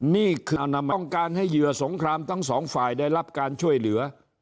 นี่คือต้องการให้เหยื่อสงครามทั้งสองฝ่ายได้รับการช่วยเหลือ